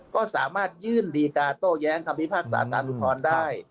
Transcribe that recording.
ก็สามารถยื่นดีการโต้แย้งคำพิพากษาสารอุทธรณ์ได้